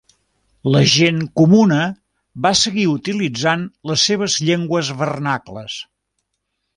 La gent comuna va seguir utilitzant les seves llengües vernacles.